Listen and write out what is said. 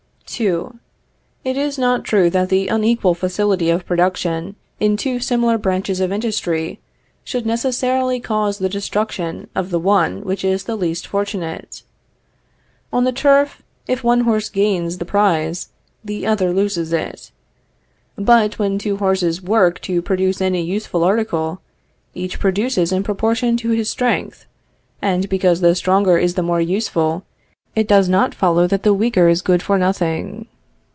II. It is not true that the unequal facility of production, in two similar branches of industry, should necessarily cause the destruction of the one which is the least fortunate. On the turf, if one horse gains the prize, the other loses it; but when two horses work to produce any useful article, each produces in proportion to his strength; and because the stronger is the more useful, it does not follow that the weaker is good for nothing.